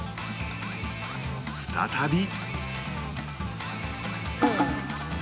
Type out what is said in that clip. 再び